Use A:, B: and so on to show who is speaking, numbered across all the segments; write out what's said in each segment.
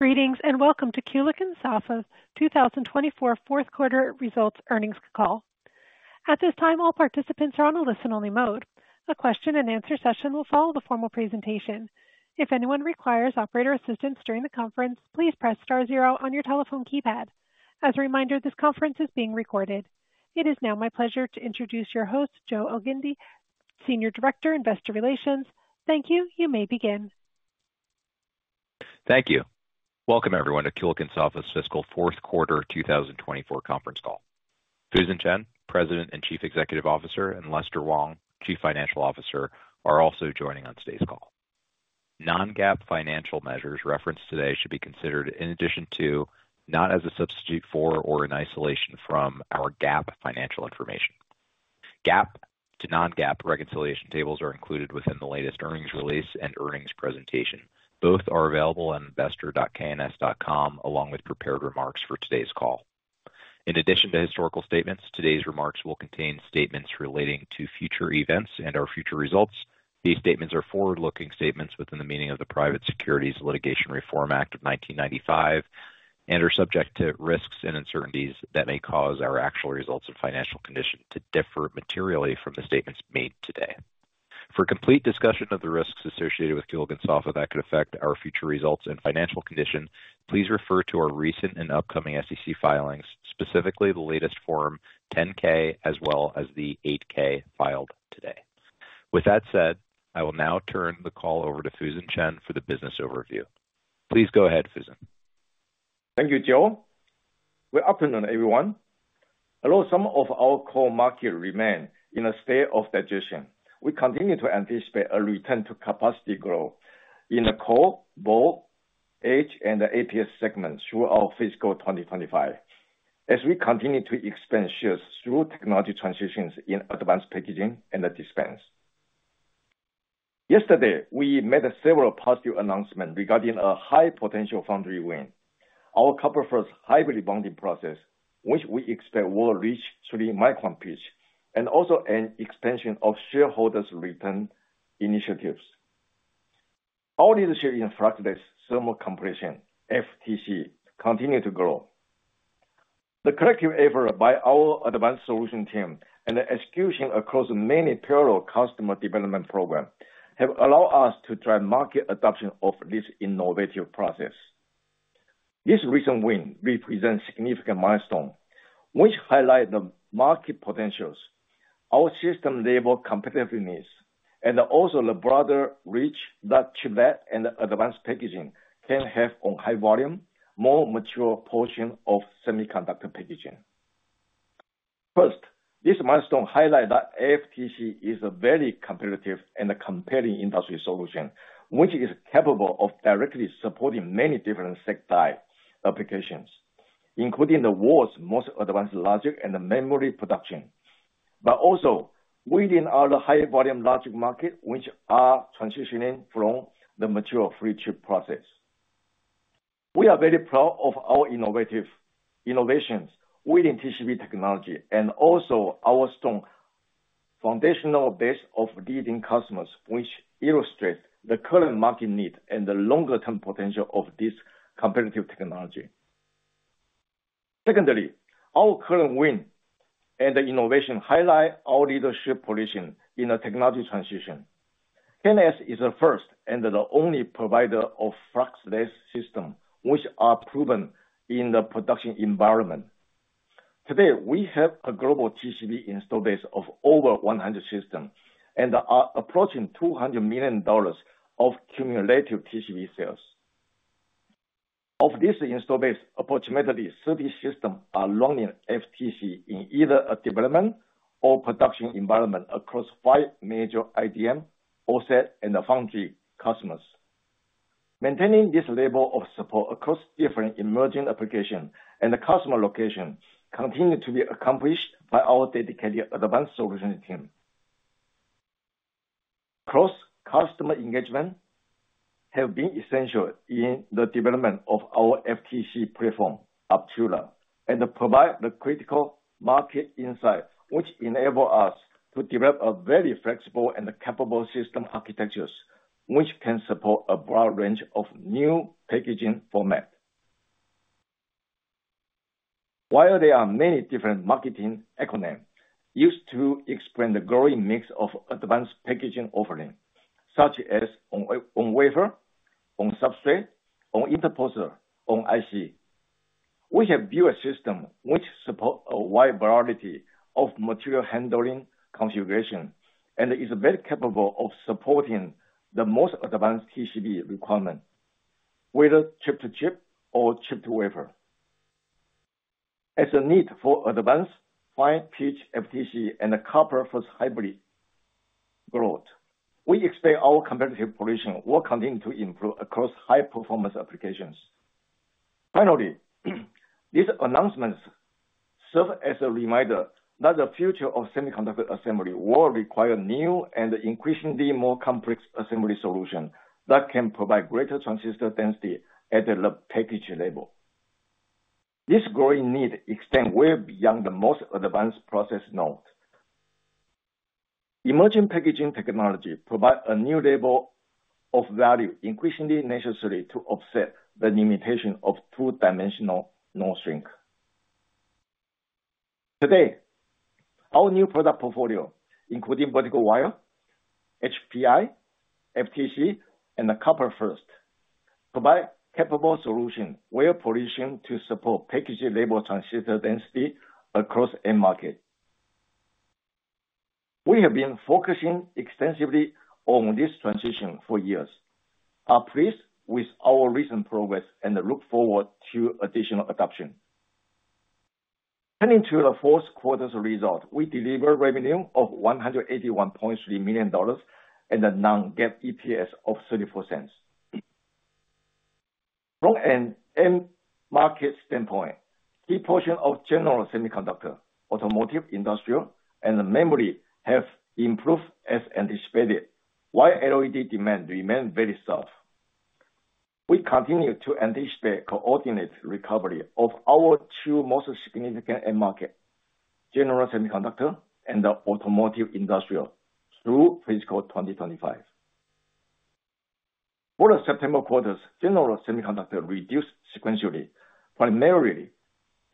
A: Greetings and welcome to Kulicke and Soffa's 2024 Fourth Quarter Results Earnings Call. At this time, all participants are on a listen-only mode. A question-and-answer session will follow the formal presentation. If anyone requires operator assistance during the conference, please press star zero on your telephone keypad. As a reminder, this conference is being recorded. It is now my pleasure to introduce your host, Joe Elgindy, Senior Director, Investor Relations. Thank you. You may begin.
B: Thank you. Welcome, everyone, to Kulicke and Soffa's Fiscal Fourth Quarter 2024 Conference Call. Fusen Chen, President and Chief Executive Officer, and Lester Wong, Chief Financial Officer, are also joining on today's call. Non-GAAP financial measures referenced today should be considered in addition to, not as a substitute for or in isolation from, our GAAP financial information. GAAP to non-GAAP reconciliation tables are included within the latest earnings release and earnings presentation. Both are available on investor.kns.com, along with prepared remarks for today's call. In addition to historical statements, today's remarks will contain statements relating to future events and our future results. These statements are forward-looking statements within the meaning of the Private Securities Litigation Reform Act of 1995 and are subject to risks and uncertainties that may cause our actual results and financial condition to differ materially from the statements made today. For complete discussion of the risks associated with Kulicke and Soffa that could affect our future results and financial condition, please refer to our recent and upcoming SEC filings, specifically the latest Form 10-K, as well as the 8-K filed today. With that said, I will now turn the call over to Fusen Chen for the business overview. Please go ahead, Fusen.
C: Thank you, Joe. Good afternoon, everyone. Although some of our core market remains in a state of digestion, we continue to anticipate a return to capacity growth in the Core, Ball, Wedge, and the APS segments throughout fiscal 2025, as we continue to expand shares through technology transitions in advanced packaging and dispense. Yesterday, we made several positive announcements regarding a high-potential foundry win, our Copper First hybrid bonding process, which we expect will reach three micron pitch, and also an expansion of shareholders' return initiatives. Our leadership in Fluxless Thermal Compression, FTC, continues to grow. The collective effort by our advanced solution team and the execution across many parallel customer development programs have allowed us to drive market adoption of this innovative process. This recent win represents a significant milestone, which highlights the market potentials, our system-level competitiveness, and also the broader reach that chiplet and advanced packaging can have on high-volume, more mature portions of semiconductor packaging. First, this milestone highlights that FTC is a very competitive and compelling industry solution, which is capable of directly supporting many different sector applications, including the world's most advanced logic and memory production, but also within our high-volume logic market, which is transitioning from the mature flip chip process. We are very proud of our innovations within TCB technology and also our strong foundational base of leading customers, which illustrates the current market need and the longer-term potential of this competitive technology. Secondly, our current win and innovation highlight our leadership position in the technology transition. K&S is the first and the only provider of Fluxless systems, which are proven in the production environment. Today, we have a global TCB install base of over 100 systems and are approaching $200 million of cumulative TCB sales. Of this install base, approximately 30 systems are running FTC in either a development or production environment across five major IDM, OSAT, and foundry customers. Maintaining this level of support across different emerging applications and customer locations continues to be accomplished by our dedicated advanced solution team. Cross-customer engagement has been essential in the development of our FTC platform, APTURA, and provides the critical market insight, which enables us to develop very flexible and capable system architectures, which can support a broad range of new packaging formats. While there are many different marketing acronyms used to explain the growing mix of advanced packaging offerings, such as on wafer, on substrate, on interposer, on IC, we have built a system which supports a wide variety of material handling configurations and is very capable of supporting the most advanced TCB requirements, whether chip-to-chip or chip-to-wafer. As a need for advanced fine-pitch FTC and Copper-First hybrid growth, we expect our competitive position will continue to improve across high-performance applications. Finally, these announcements serve as a reminder that the future of semiconductor assembly will require new and increasingly more complex assembly solutions that can provide greater transistor density at the package level. This growing need extends well beyond the most advanced process nodes. Emerging packaging technologies provide a new level of value, increasingly necessary to offset the limitations of two-dimensional node shrink. Today, our new product portfolio, including vertical wire, HPI, FTC, and Copper-First, provides capable solutions well positioned to support packaging-level transistor density across end markets. We have been focusing extensively on this transition for years. We are pleased with our recent progress and look forward to additional adoption. Turning to the fourth quarter's results, we delivered revenue of $181.3 million and a non-GAAP EPS of $0.34. From an end market standpoint, key portions of General Semiconductor, Automotive, Industrial, and memory have improved as anticipated, while LED demand remains very soft. We continue to anticipate coordinated recovery of our two most significant end markets, General Semiconductor and Automotive Industrial, through fiscal 2025. For the September quarters, general semiconductor reduced sequentially, primarily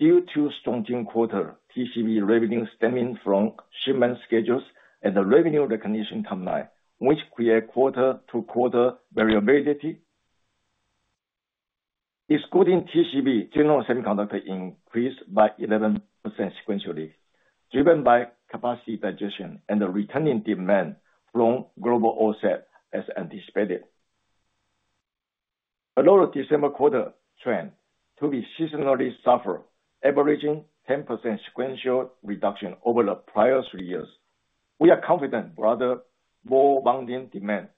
C: due to strong June quarter TCB revenue stemming from shipment schedules and the revenue recognition timeline, which created quarter-to-quarter variability. Excluding TCB, general semiconductor increased by 11% sequentially, driven by capacity digestion and the returning demand from global OSAT as anticipated. Although the December quarter trended to be seasonally softer, averaging 10% sequential reduction over the prior three years, we are confident broader ball bonding demand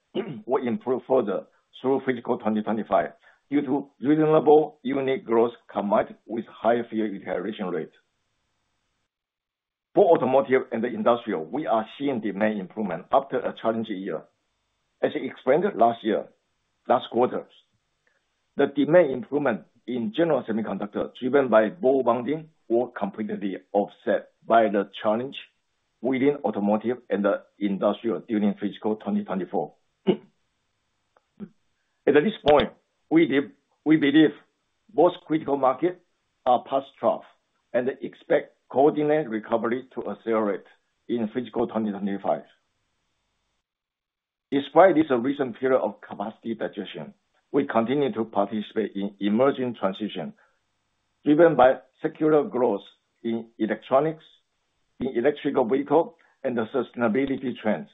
C: will improve further through fiscal 2025 due to reasonable unit growth combined with higher fab utilization rate. For automotive and industrial, we are seeing demand improvement after a challenging year. As explained last quarter, the demand improvement in general semiconductor, driven by Ball Bonding, will be completely offset by the challenge within automotive and industrial during fiscal 2024. At this point, we believe both critical markets are past trough and expect coordinated recovery to accelerate in fiscal 2025. Despite this recent period of capacity digestion, we continue to participate in emerging transitions, driven by secular growth in electronics, in electric vehicles, and the sustainability trends.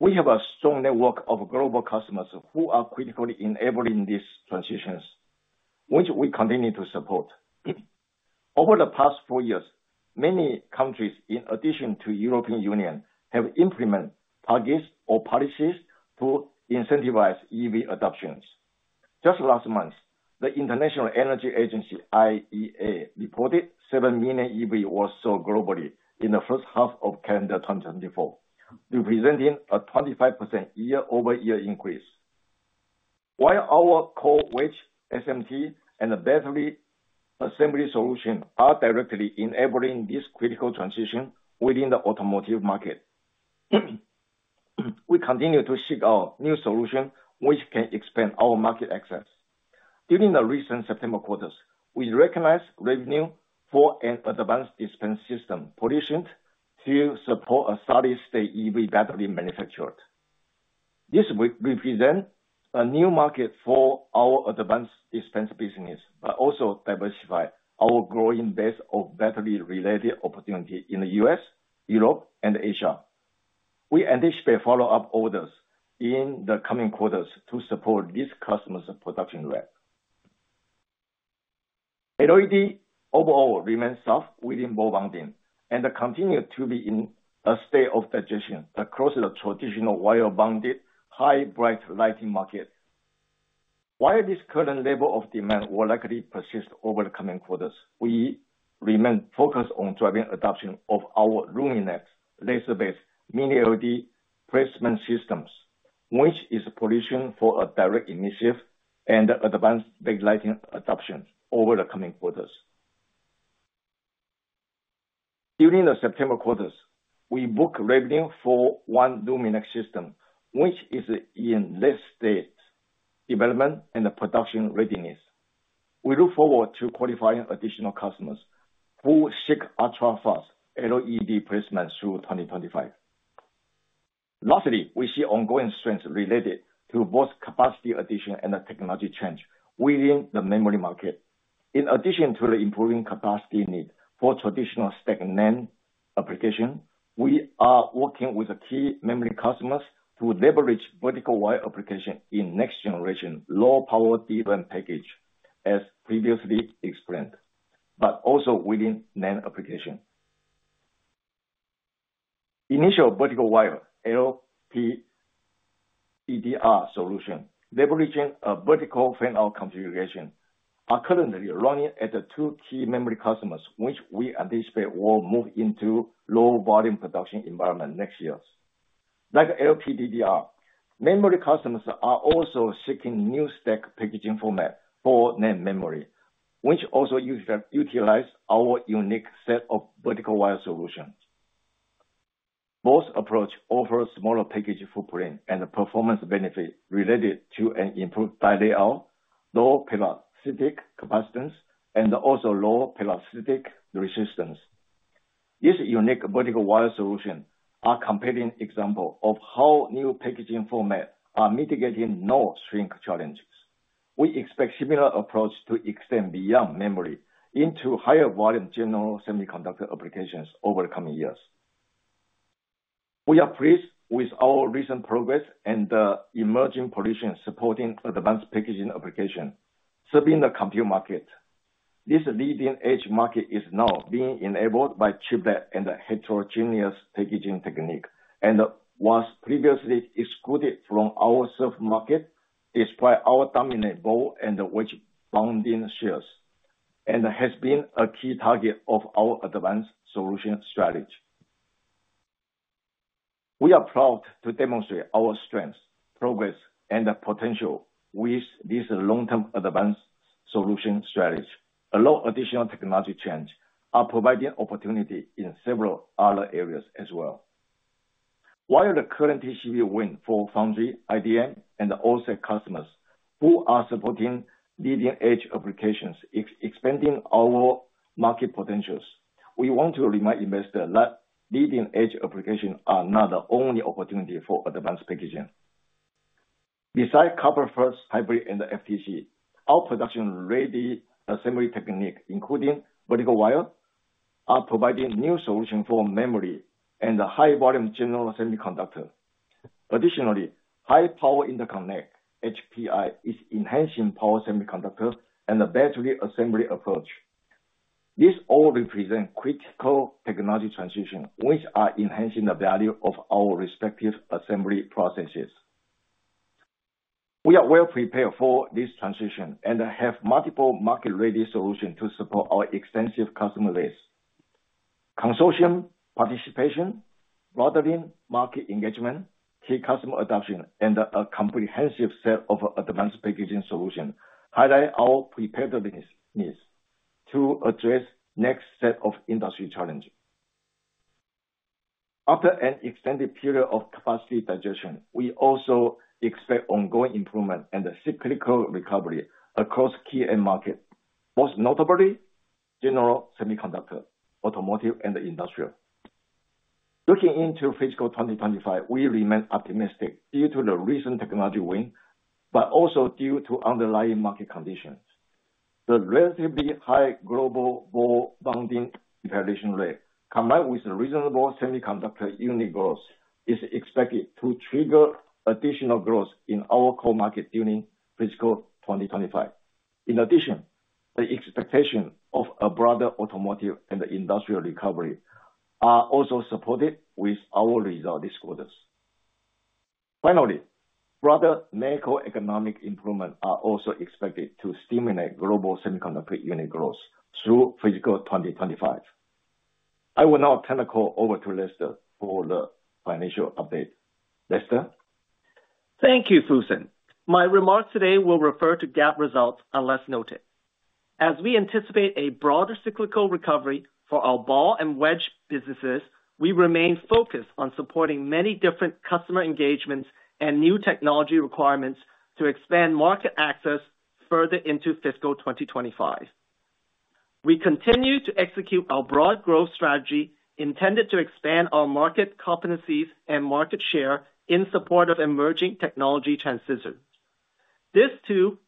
C: We have a strong network of global customers who are critically enabling these transitions, which we continue to support. Over the past four years, many countries, in addition to the European Union, have implemented targets or policies to incentivize EV adoptions. Just last month, the International Energy Agency (IEA) reported seven million EVs or so globally in the first half of calendar 2024, representing a 25% year-over-year increase. While our core wedge, SMT, and battery assembly solutions are directly enabling this critical transition within the automotive market, we continue to seek out new solutions which can expand our market access. During the recent September quarters, we recognized revenue for an advanced dispense system positioned to support a solid-state EV battery manufacturer. This represents a new market for our advanced dispense business, but also diversifies our growing base of battery-related opportunities in the U.S., Europe, and Asia. We anticipate follow-up orders in the coming quarters to support these customers' production ramp. LED overall remains soft within ball bonding and continues to be in a state of digestion across the traditional wire-bonded, high-bright lighting market. While this current level of demand will likely persist over the coming quarters, we remain focused on driving adoption of our Luminex laser-based mini-LED placement systems, which is positioned for a direct emissive and advanced backlighting adoption over the coming quarters. During the September quarters, we booked revenue for one Luminex system, which is in late-stage development and production readiness. We look forward to qualifying additional customers who seek ultra-fast LED placements through 2025. Lastly, we see ongoing strengths related to both capacity addition and technology change within the memory market. In addition to the improving capacity need for traditional stacked NAND applications, we are working with key memory customers to leverage vertical wire application in next-generation low-power DRAM package, as previously explained, but also within NAND application. Initial vertical wire LPDDR solution, leveraging a vertical fan-out configuration, are currently running at the two key memory customers which we anticipate will move into low-volume production environment next year. Like LPDDR, memory customers are also seeking new stacked packaging formats for NAND memory, which also utilizes our unique set of vertical wire solutions. Both approaches offer smaller package footprint and performance benefits related to an improved die layout, low parasitic capacitance, and also low parasitic resistance. These unique vertical wire solutions are compelling examples of how new packaging formats are mitigating node shrink challenges. We expect a similar approach to extend beyond memory into higher-volume general semiconductor applications over the coming years. We are pleased with our recent progress and the emerging position supporting advanced packaging applications serving the compute market. This leading-edge market is now being enabled by chiplet and heterogeneous packaging techniques and was previously excluded from our serve market despite our dominant ball and wedge bonding shares and has been a key target of our advanced solution strategy. We are proud to demonstrate our strengths, progress, and potential with this long-term advanced solution strategy. Along with additional technology changes, we are providing opportunities in several other areas as well. While the current TCB win for Foundry, IDM, and OSAT customers who are supporting leading-edge applications is expanding our market potentials, we want to remind investors that leading-edge applications are not the only opportunity for advanced packaging. Besides Copper-First hybrid and FTC, our production-ready assembly techniques, including vertical wire, are providing new solutions for memory and high-volume general semiconductors. Additionally, High Power Interconnect (HPI) is enhancing power semiconductor and battery assembly approaches. These all represent critical technology transitions which are enhancing the value of our respective assembly processes. We are well prepared for this transition and have multiple market-ready solutions to support our extensive customer base. Consortium participation, broader market engagement, key customer adoption, and a comprehensive set of advanced packaging solutions highlight our preparedness to address the next set of industry challenges. After an extended period of capacity digestion, we also expect ongoing improvement and cyclical recovery across key end markets, most notably general semiconductor, automotive, and industrial. Looking into fiscal 2025, we remain optimistic due to the recent technology win, but also due to underlying market conditions. The relatively high global ball bonding utilization rate, combined with reasonable semiconductor unit growth, is expected to trigger additional growth in our core market during fiscal 2025. In addition, the expectation of a broader automotive and industrial recovery is also supported with our results this quarter. Finally, broader macroeconomic improvements are also expected to stimulate global semiconductor unit growth through fiscal 2025. I will now turn the call over to Lester for the financial update. Lester?
D: Thank you, Fusen. My remarks today will refer to GAAP results unless noted. As we anticipate a broader cyclical recovery for our ball and wedge businesses, we remain focused on supporting many different customer engagements and new technology requirements to expand market access further into fiscal 2025. We continue to execute our broad growth strategy intended to expand our market competencies and market share in support of emerging technology transitions. This too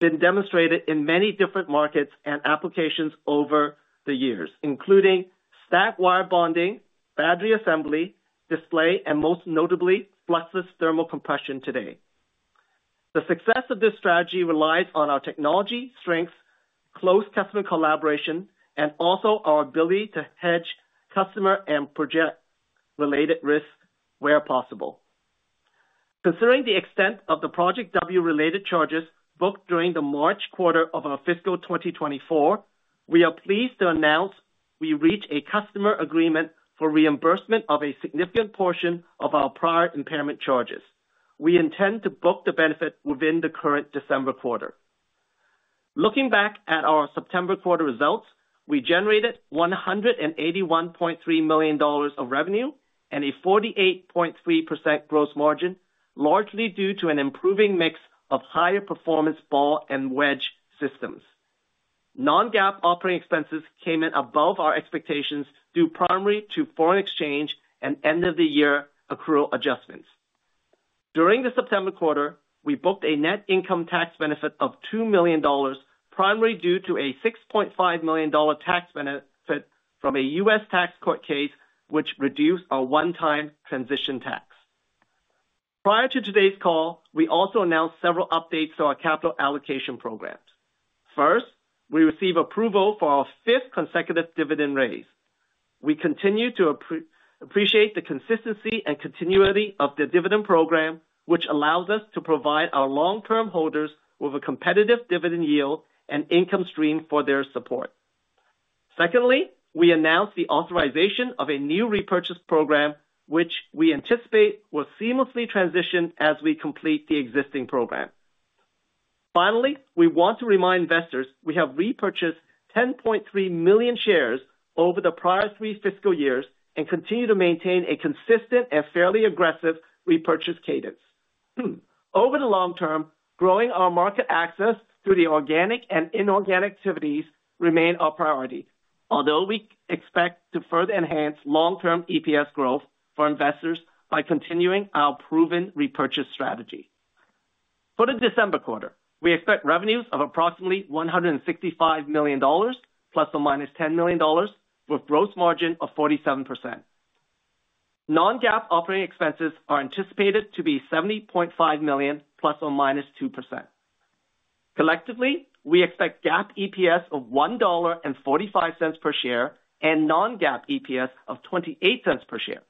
D: has been demonstrated in many different markets and applications over the years, including stacked wire bonding, battery assembly, display, and most notably, fluxless thermal compression today. The success of this strategy relies on our technology strengths, close customer collaboration, and also our ability to hedge customer and project-related risks where possible. Considering the extent of the Project W-related charges booked during the March quarter of our fiscal 2024, we are pleased to announce we reached a customer agreement for reimbursement of a significant portion of our prior impairment charges. We intend to book the benefit within the current December quarter. Looking back at our September quarter results, we generated $181.3 million of revenue and a 48.3% gross margin, largely due to an improving mix of higher-performance ball and wedge systems. Non-GAAP operating expenses came in above our expectations due primarily to foreign exchange and end-of-the-year accrual adjustments. During the September quarter, we booked a net income tax benefit of $2 million, primarily due to a $6.5 million tax benefit from a U.S. tax court case, which reduced our one-time transition tax. Prior to today's call, we also announced several updates to our capital allocation programs. First, we received approval for our fifth consecutive dividend raise. We continue to appreciate the consistency and continuity of the dividend program, which allows us to provide our long-term holders with a competitive dividend yield and income stream for their support. Secondly, we announced the authorization of a new repurchase program, which we anticipate will seamlessly transition as we complete the existing program. Finally, we want to remind investors we have repurchased 10.3 million shares over the prior three fiscal years and continue to maintain a consistent and fairly aggressive repurchase cadence. Over the long term, growing our market access through the organic and inorganic activities remains our priority, although we expect to further enhance long-term EPS growth for investors by continuing our proven repurchase strategy. For the December quarter, we expect revenues of approximately $165 million, ±$10 million, with gross margin of 47%. Non-GAAP operating expenses are anticipated to be $70.5 million, ± 2%. Collectively, we expect GAAP EPS of $1.45 per share and non-GAAP EPS of $0.28 per share.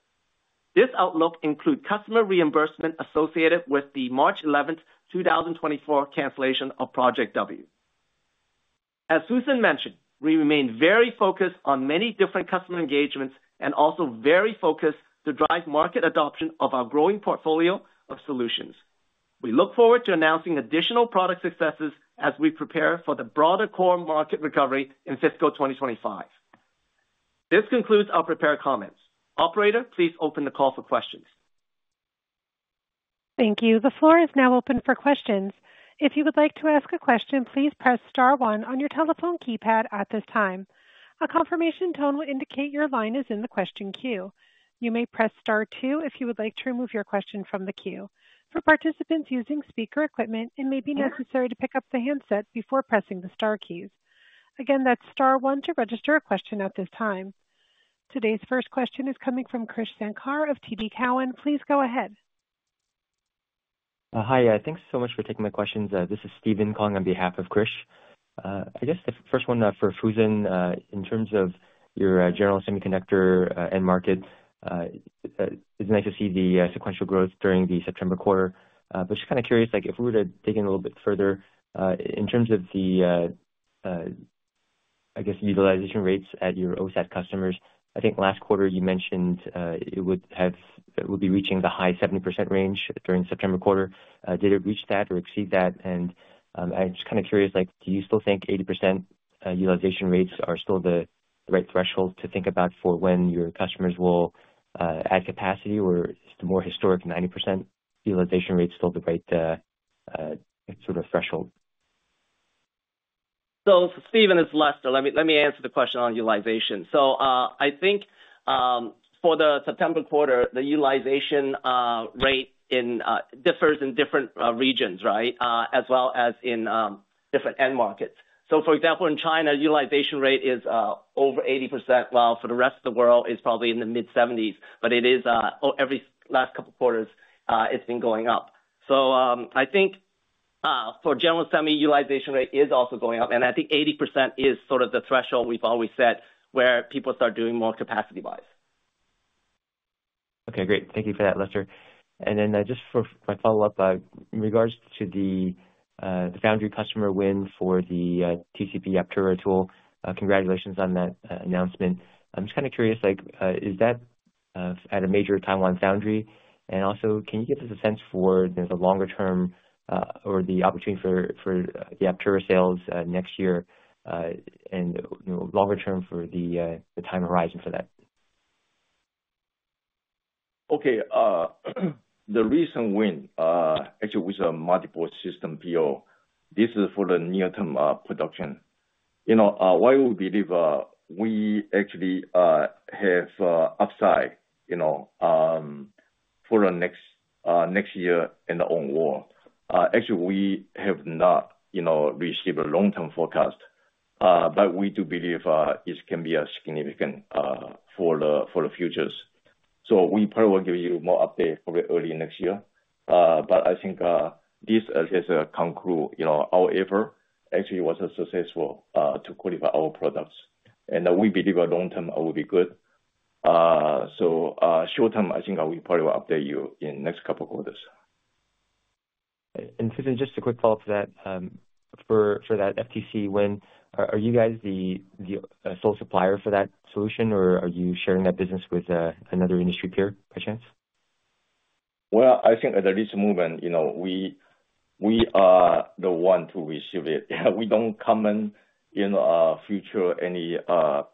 D: This outlook includes customer reimbursement associated with the March 11, 2024, cancellation of Project W. As Fusen mentioned, we remain very focused on many different customer engagements and also very focused to drive market adoption of our growing portfolio of solutions. We look forward to announcing additional product successes as we prepare for the broader core market recovery in fiscal 2025. This concludes our prepared comments. Operator, please open the call for questions.
A: Thank you. The floor is now open for questions. If you would like to ask a question, please press Star 1 on your telephone keypad at this time. A confirmation tone will indicate your line is in the question queue. You may press Star 2 if you would like to remove your question from the queue. For participants using speaker equipment, it may be necessary to pick up the handset before pressing the Star keys. Again, that's Star 1 to register a question at this time. Today's first question is coming from Krish Sankar of TD Cowen. Please go ahead.
E: Hi, yeah, thanks so much for taking my questions. This is Steven calling on behalf of Krish. I guess the first one for Fusen, in terms of your general semiconductor end market, it's nice to see the sequential growth during the September quarter. But just kind of curious, if we were to dig in a little bit further, in terms of the, I guess, utilization rates at your OSAT customers, I think last quarter you mentioned it would be reaching the high 70% range during September quarter. Did it reach that or exceed that? And I'm just kind of curious, do you still think 80% utilization rates are still the right threshold to think about for when your customers will add capacity? Or is the more historic 90% utilization rate still the right sort of threshold?
D: So Steven, it's Lester. Let me answer the question on utilization. So I think for the September quarter, the utilization rate differs in different regions, right, as well as in different end markets. So for example, in China, the utilization rate is over 80%, while for the rest of the world, it's probably in the mid-70s. But it is, every last couple of quarters, it's been going up. So I think for general semi, utilization rate is also going up. And I think 80% is sort of the threshold we've always set where people start doing more capacity-wise.
E: Okay, great. Thank you for that, Lester. And then just for my follow-up, in regards to the foundry customer win for the TCB APTURA tool, congratulations on that announcement. I'm just kind of curious, is that at a major timeline foundry? And also, can you give us a sense for the longer term or the opportunity for the APTURA sales next year and longer term for the time horizon for that?
C: Okay. The recent win, actually, was a multiple system PO. This is for the near-term production. Why we believe we actually have upside for the next year and onward? Actually, we have not received a long-term forecast, but we do believe it can be significant for the future. So we probably will give you more updates probably early next year. But I think this concludes. Our effort actually was successful to qualify our products. And we believe a long-term will be good. So short term, I think we probably will update you in the next couple of quarters.
E: And Fusen, just a quick follow-up to that. For that FTC win, are you guys the sole supplier for that solution, or are you sharing that business with another industry peer by chance?
C: Well, I think at the present moment, we are the ones to receive it. We don't comment on future any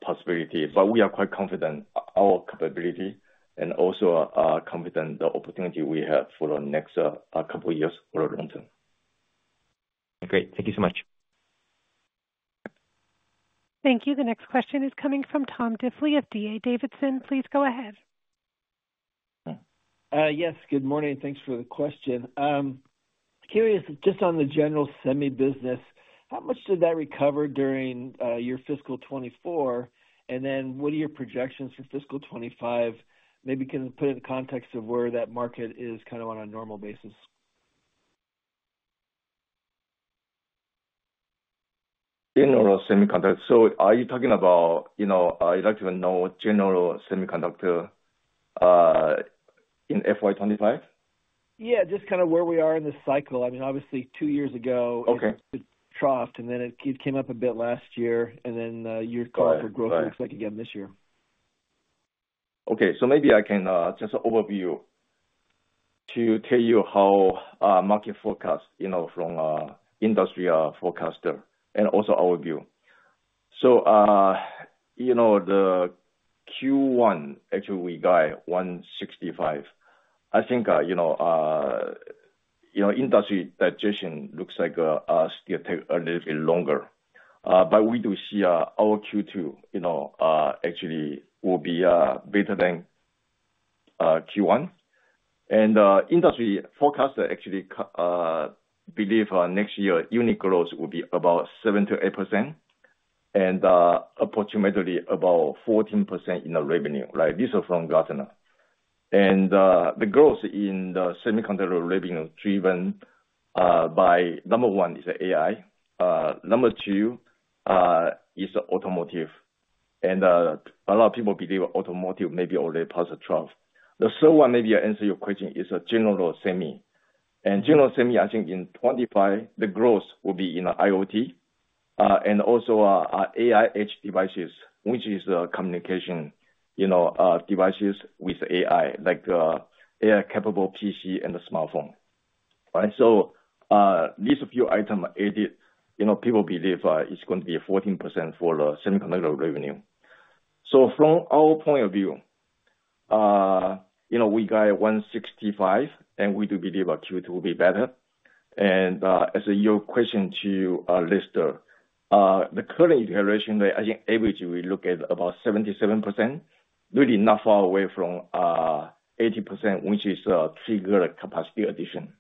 C: possibility, but we are quite confident in our capability and also confident in the opportunity we have for the next couple of years or long term.
E: Great. Thank you so much.
A: Thank you. The next question is coming from Tom Diffely of D.A. Davidson. Please go ahead.
F: Yes, good morning. Thanks for the question. Curious, just on the general semi business, how much did that recover during your fiscal 2024? And then what are your projections for fiscal 2025? Maybe you can put it in the context of where that market is kind of on a normal basis.
C: General semiconductor. So are you talking about? I'd like to know general semiconductor in FY 2025?
F: Yeah, just kind of where we are in the cycle. I mean, obviously, two years ago, it troughed, and then it came up a bit last year. And then your call for growth looks like again this year.
C: Okay. So maybe I can just overview to tell you how market forecasts from industry forecasters and also our view. So the Q1, actually, we got 165. I think industry digestion looks like it'll take a little bit longer. But we do see our Q2 actually will be better than Q1. And industry forecasters actually believe next year unit growth will be about 7%-8% and approximately about 14% in revenue. This is from Gartner. And the growth in the semiconductor revenue driven by number one is AI. Number two is automotive. And a lot of people believe automotive may be already past the trough. The third one, maybe I answer your question, is general semi. General semi, I think in 2025, the growth will be in IoT and also AI-edge devices, which is communication devices with AI, like AI-capable PC and the smartphone. So these few items added, people believe it's going to be 14% for the semiconductor revenue. So from our point of view, we got 165, and we do believe Q2 will be better. And as your question to Lester, the current iteration, I think average we look at about 77%, really not far away from 80%, which is triggered capacity addition.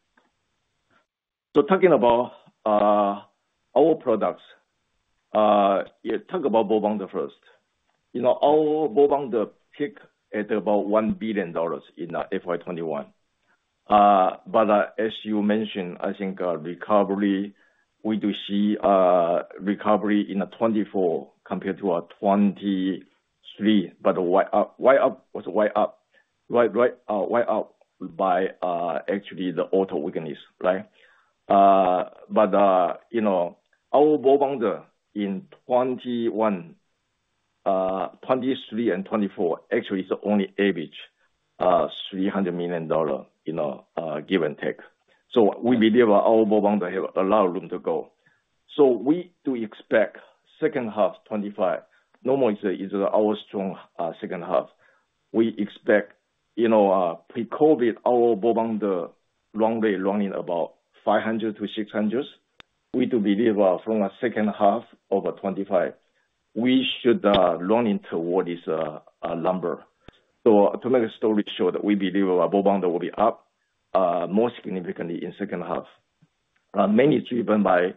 C: So talking about our products, talk about ball bonder first. Our ball bonder peaked at about $1 billion in FY 2021. But as you mentioned, I think recovery, we do see recovery in 2024 compared to 2023, but way up, way up by actually the auto weakness, right? But our ball bonding in 2021, 2023, and 2024 actually is only average $300 million, give and take. So we believe our ball bonding has a lot of room to go. So we do expect second half 2025. Normally, it's our strong second half. We expect pre-COVID, our ball bonding running about 500-600. We do believe from our second half of 2025, we should run into what is a number. So to make a story short, we believe our ball bonding will be up more significantly in second half, mainly driven by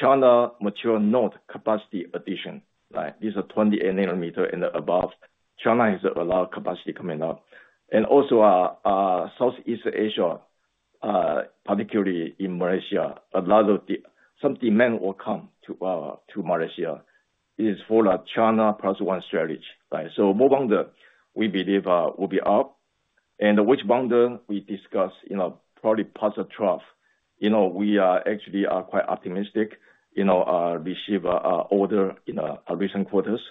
C: China mature node capacity addition. These are 28 nanometers and above. China has a lot of capacity coming up. And also Southeast Asia, particularly in Malaysia, a lot of some demand will come to Malaysia. It is for China plus one strategy. So ball bonding, we believe, will be up. And Wedge Bonder we discussed probably past the trough, we actually are quite optimistic to receive order in recent quarters.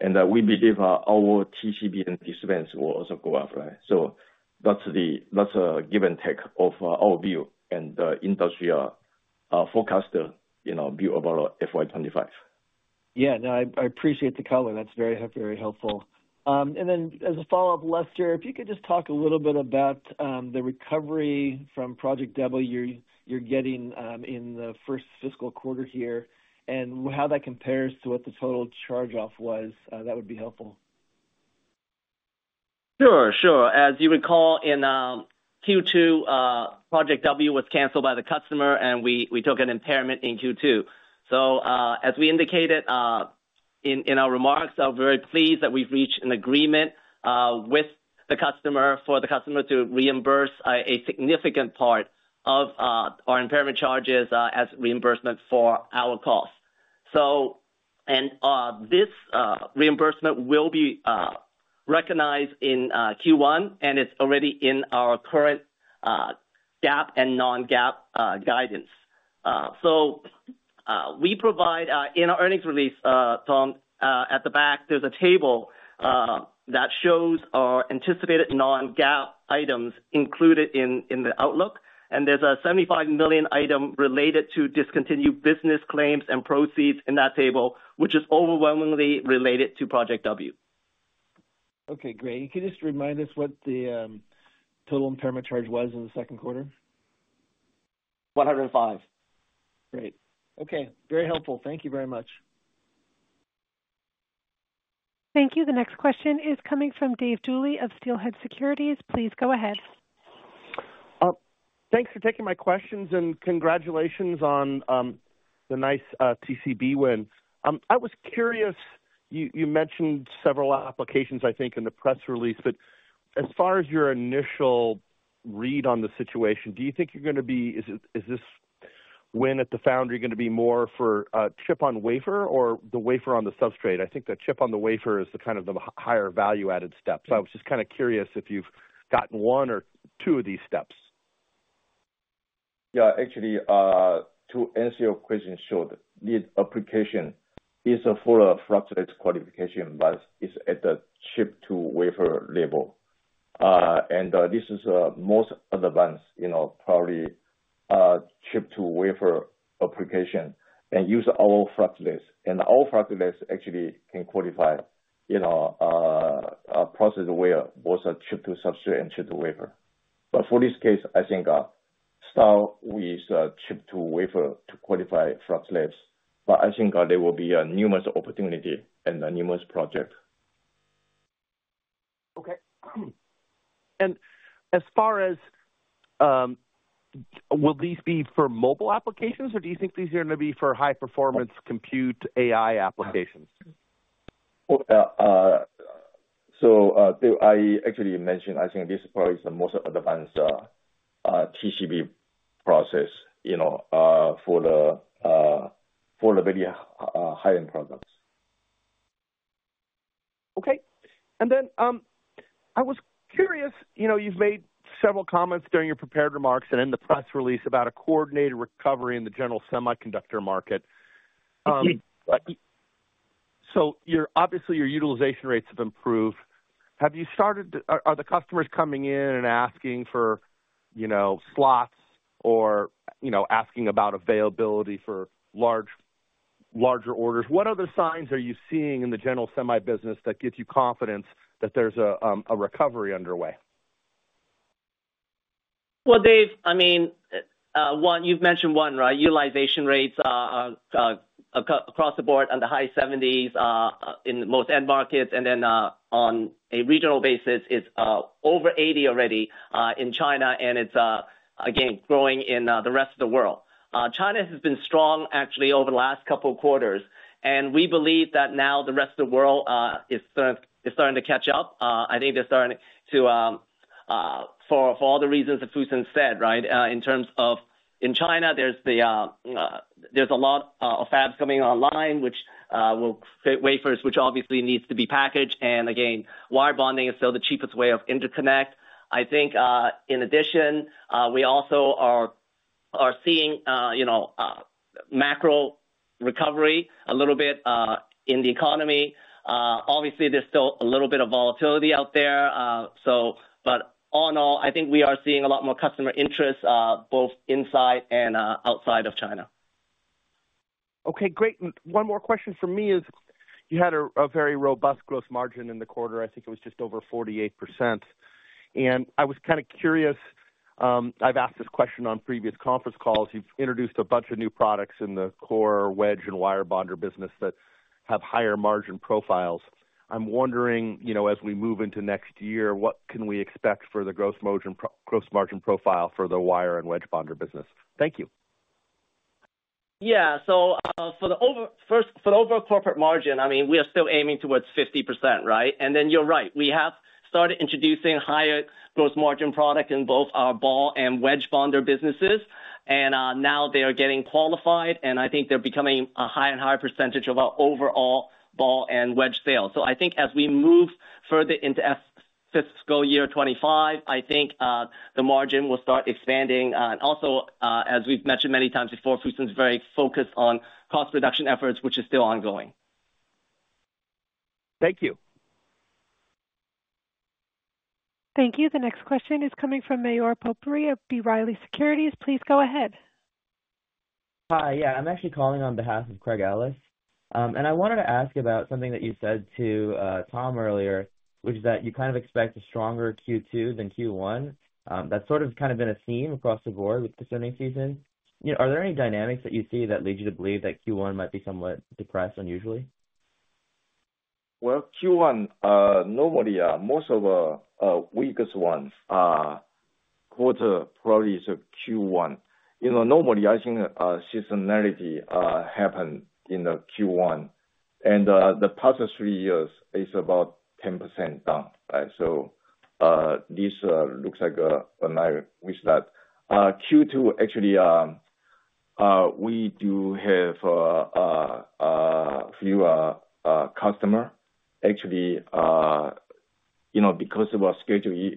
C: And we believe our TCB and TCPS will also go up, right? So that's a give and take of our view and the industrial forecaster view about FY 2025.
F: Yeah, no, I appreciate the color. That's very helpful. And then as a follow-up, Lester, if you could just talk a little bit about the recovery from Project W you're getting in the first fiscal quarter here and how that compares to what the total charge-off was, that would be helpful.
D: Sure, sure. As you recall, in Q2, Project W was canceled by the customer, and we took an impairment in Q2. So as we indicated in our remarks, we are very pleased that we've reached an agreement with the customer for the customer to reimburse a significant part of our impairment charges as reimbursement for our costs. And this reimbursement will be recognized in Q1, and it's already in our current GAAP and non-GAAP guidance. So we provide in our earnings release, Tom, at the back, there's a table that shows our anticipated non-GAAP items included in the outlook. And there's a 75 million item related to discontinued business claims and proceeds in that table, which is overwhelmingly related to Project W.
F: Okay, great. Can you just remind us what the total impairment charge was in the second quarter?
D: $105 million.
F: Great. Okay. Very helpful. Thank you very much.
A: Thank you. The next question is coming from Dave Duley of Steelhead Securities. Please go ahead.
G: Thanks for taking my questions and congratulations on the nice TCB win. I was curious, you mentioned several applications, I think, in the press release. But as far as your initial read on the situation, do you think you're going to be is this win at the foundry going to be more for chip on wafer or the wafer on the substrate? I think the chip on the wafer is kind of the higher value-added step. So I was just kind of curious if you've gotten one or two of these steps.
C: Yeah, actually, to answer your question short, the application is for a fluxless qualification, but it's at the chip to wafer level. And this is a most advanced, probably chip to wafer application and use all fluxless. And all fluxless actually can qualify processes where both chip to substrate and chip to wafer. But for this case, I think start with chip to wafer to qualify fluxless. But I think there will be numerous opportunities and numerous projects.
G: Okay. And as far as will these be for mobile applications, or do you think these are going to be for high-performance compute AI applications?
C: So I actually mentioned, I think this is probably the most advanced TCB process for the very high-end products.
G: Okay. And then I was curious, you've made several comments during your prepared remarks and in the press release about a coordinated recovery in the general semiconductor market. So obviously, your utilization rates have improved. Have you started? Are the customers coming in and asking for slots or asking about availability for larger orders? What other signs are you seeing in the general semi business that gives you confidence that there's a recovery underway?
D: Well, Dave, I mean, you've mentioned one, right? Utilization rates across the board are in the high 70s in most end markets. And then on a regional basis, it's over 80 already in China. And it's, again, growing in the rest of the world. China has been strong, actually, over the last couple of quarters. And we believe that now the rest of the world is starting to catch up. I think they're starting to, for all the reasons that Fusen said, right, in terms of in China, there's a lot of fabs coming online, which means wafers, which obviously need to be packaged. And again, wire bonding is still the cheapest way of interconnection. I think in addition, we also are seeing macro recovery a little bit in the economy. Obviously, there's still a little bit of volatility out there. But all in all, I think we are seeing a lot more customer interest both inside and outside of China.
G: Okay, great. One more question for me is, you had a very robust gross margin in the quarter. I think it was just over 48%. And I was kind of curious. I've asked this question on previous conference calls. You've introduced a bunch of new products in the core wedge and wire bonder business that have higher margin profiles. I'm wondering, as we move into next year, what can we expect for the gross margin profile for the wire and wedge bonder business? Thank you.
D: Yeah. So for the overall corporate margin, I mean, we are still aiming towards 50%, right? And then you're right. We have started introducing higher gross margin products in both our ball and wedge bonder businesses. And now they are getting qualified. And I think they're becoming a higher and higher percentage of our overall ball and wedge sales. So I think as we move further into fiscal year 2025, I think the margin will start expanding. And also, as we've mentioned many times before, Fusen is very focused on cost reduction efforts, which is still ongoing.
G: Thank you.
A: Thank you. The next question is coming from Mayur Popuri of B. Riley Securities. Please go ahead.
H: Hi. Yeah, I'm actually calling on behalf of Craig Ellis. And I wanted to ask about something that you said to Tom earlier, which is that you kind of expect a stronger Q2 than Q1. That's sort of kind of been a theme across the board with this earnings season. Are there any dynamics that you see that lead you to believe that Q1 might be somewhat depressed unusually?
C: Q1, normally, most of the weakest quarter probably is Q1. Normally, I think seasonality happened in Q1, and the past three years is about 10% down. So this looks like a nice with that Q2, actually, we do have a few customers, actually, because of our schedule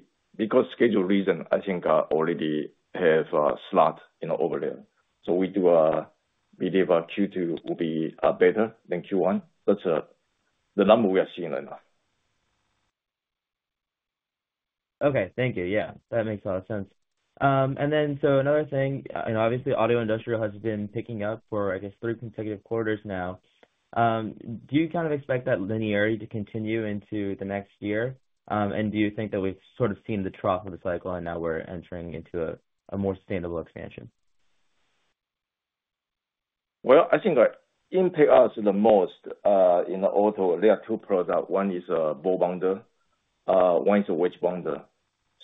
C: reason, I think already have a slot over there. So we do believe Q2 will be better than Q1. That's the number we are seeing right now.
H: Okay. Thank you. Yeah, that makes a lot of sense, and then so another thing, obviously, auto and industrial has been picking up for, I guess, three consecutive quarters now. Do you kind of expect that linearity to continue into the next year? And do you think that we've sort of seen the trough of the cycle and now we're entering into a more sustainable expansion?
C: I think it impacts us the most in auto. There are two products. One is ball bonder, one is wedge bonder.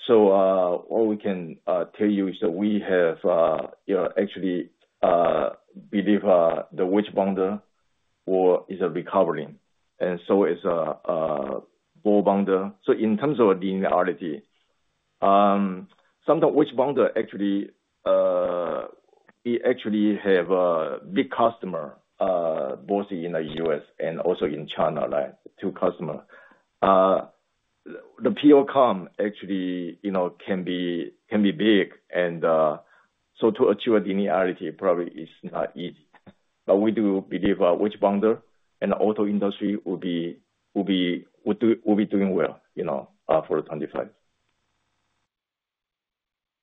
C: So all we can tell you is that we have actually believe the wedge bonder is recovering. And so is ball bonder. So in terms of linearity, sometimes wedge bonder, actually, we actually have a big customer both in the U.S. and also in China, two customers. The POs can actually be big. And so to achieve a linearity probably is not easy. But we do believe wedge bonder and auto industry will be doing well for 2025.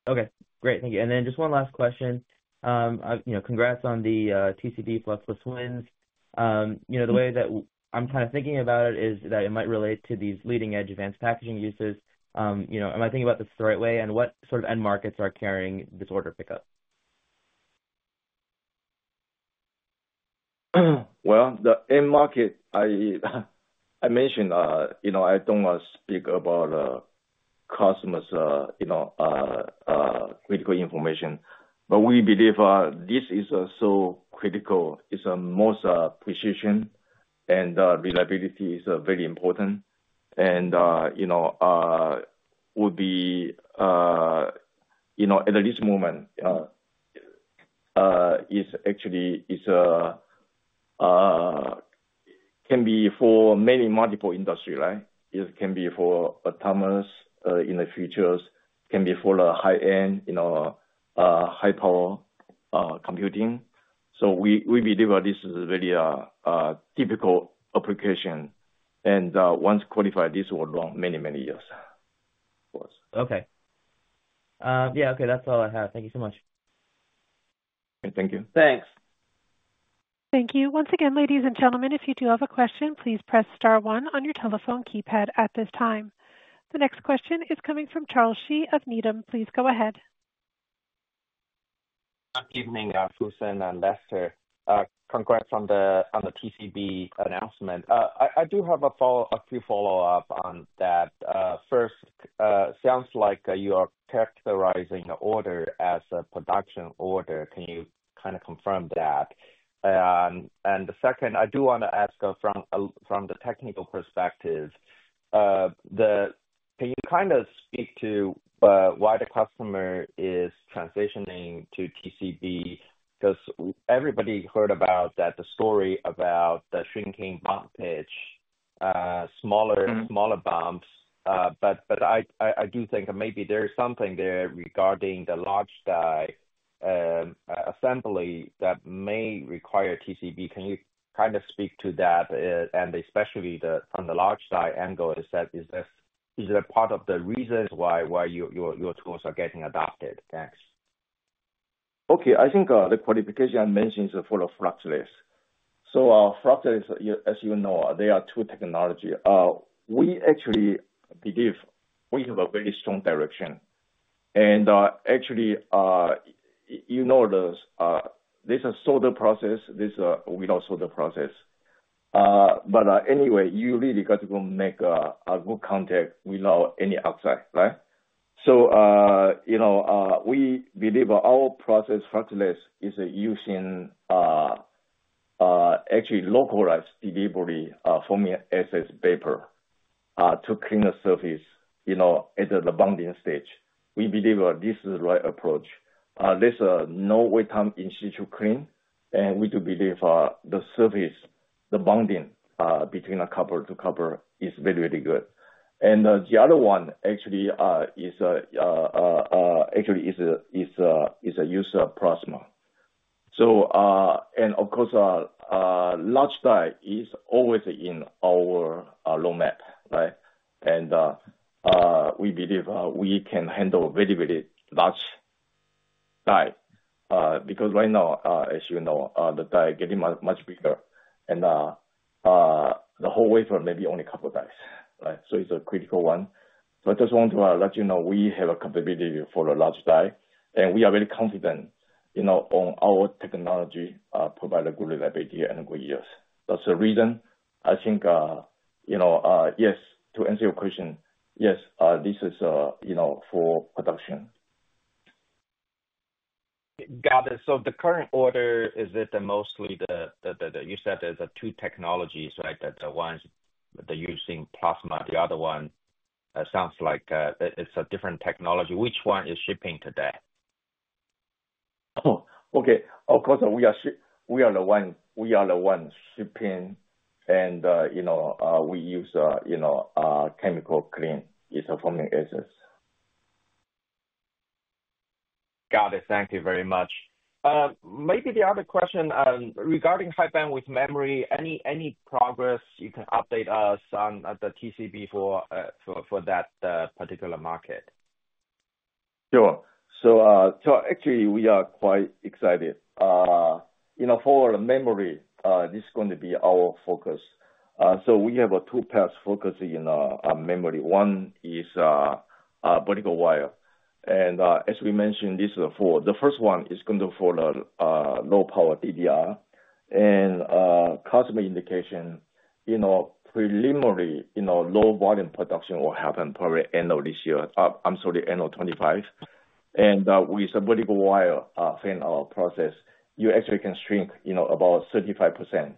H: Okay. Great. Thank you. And then just one last question. Congrats on the TCB Fluxless wins. The way that I'm kind of thinking about it is that it might relate to these leading-edge advanced packaging uses. Am I thinking about this the right way? And what sort of end markets are carrying this order pickup?
C: Well, the end market, I mentioned I don't want to speak about customers' critical information. But we believe this is so critical. It's a most precision and reliability is very important. And would be at least moment is actually can be for many multiple industries, right? It can be for autonomous in the futures, can be for the high-end, high-power computing. So we believe this is really a typical application. And once qualified, this will run many, many years.
H: Okay. Yeah. Okay. That's all I have. Thank you so much.
C: Thank you.
D: Thanks.
A: Thank you. Once again, ladies and gentlemen, if you do have a question, please press star one on your telephone keypad at this time. The next question is coming from Charles Shi of Needham. Please go ahead.
I: Good evening, Fusen and Lester. Congrats on the TCB announcement. I do have a few follow-ups on that. First, sounds like you are characterizing the order as a production order. Can you kind of confirm that? And the second, I do want to ask from the technical perspective, can you kind of speak to why the customer is transitioning to TCB? Because everybody heard about the story about the shrinking bump pitch, smaller bumps. But I do think maybe there's something there regarding the large die assembly that may require TCB. Can you kind of speak to that? And especially on the large die angle, is that part of the reasons why your tools are getting adopted? Thanks.
C: Okay. I think the qualification I mentioned is for the fluxless. So fluxless, as you know, there are two technologies. We actually believe we have a very strong direction. Actually, you know this. This is a solder process. This is a without solder process. But anyway, you really got to make a good contact without any oxide, right? So we believe our process, fluxless, is using actually localized delivery of formic acid vapor to clean the surface at the bonding stage. We believe this is the right approach. There's no wait time issue to clean. And we do believe the surface, the bonding between copper to copper is very, very good. And the other one actually is a use of plasma. And of course, large die is always in our roadmap, right? And we believe we can handle very, very large die. Because right now, as you know, the die is getting much bigger. And the whole wafer may be only a couple of dies, right? So it's a critical one. So, I just want to let you know we have a capability for a large die. And we are very confident on our technology providing good reliability and good years. That's the reason. I think, yes, to answer your question, yes, this is for production.
I: Got it. So the current order, is it mostly the you said there's two technologies, right? That one's using plasma. The other one sounds like it's a different technology. Which one is shipping today?
C: Oh, okay. Of course, we are the one shipping. And we use Chemical Clean. It's a forming essence.
I: Got it. Thank you very much. Maybe the other question regarding high bandwidth memory, any progress you can update us on the TCB for that particular market?
C: Sure. So actually, we are quite excited. For the memory, this is going to be our focus. So we have two paths focused in memory. One is vertical wire. And as we mentioned, this is for the first one is going to be for the low power DDR. And customer indication, preliminary, low volume production will happen probably end of this year. I'm sorry, end of 2025. And with vertical wire, same process, you actually can shrink about 35%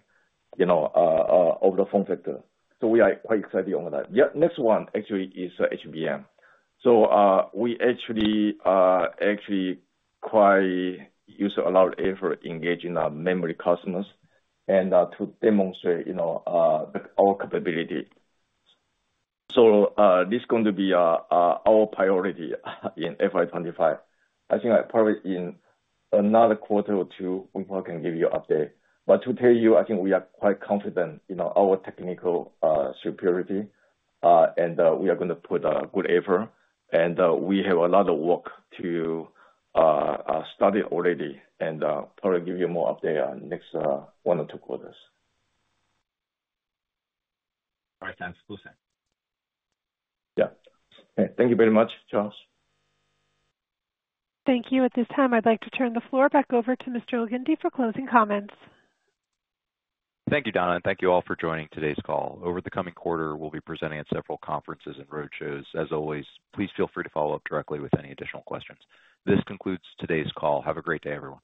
C: over the form factor. So we are quite excited on that. Yeah. Next one actually is HBM. So we actually put quite a lot of effort engaging memory customers and to demonstrate our capability. So this is going to be our priority in FY 2025. I think probably in another quarter or two, we probably can give you an update. But to tell you, I think we are quite confident in our technical superiority. And we are going to put a good effort. And we have a lot of work to study already and probably give you more update on next one or two quarters.
I: All right. Thanks, Fusen.
C: Yeah. Thank you very much, Charles.
A: Thank you. At this time, I'd like to turn the floor back over to Mr. Elgindy for closing comments.
B: Thank you, Donna. And thank you all for joining today's call. Over the coming quarter, we'll be presenting at several conferences and road shows. As always, please feel free to follow up directly with any additional questions. This concludes today's call. Have a great day, everyone.